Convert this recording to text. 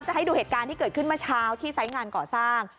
ให้ดูเหตุการณ์ที่เกิดขึ้นเมื่อเช้าที่ไซส์งานก่อสร้าง